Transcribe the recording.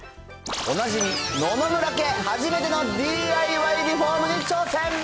おなじみ、野々村家、初めてのＤＩＹリフォームに挑戦。